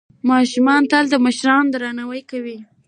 ماشومان تل د مشرانو درناوی کوي.